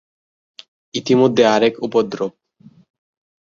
ইতিমধ্যে আর-এক উপদ্রব।